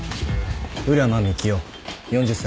浦真幹夫４０歳。